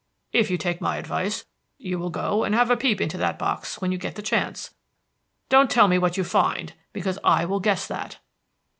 If you take my advice, you will go and have a peep into that box when you get the chance. Don't tell me what you find, because I will guess that."